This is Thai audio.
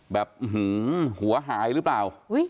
แบบหัวหายหรือเปล่า